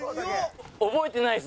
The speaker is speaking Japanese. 覚えてないです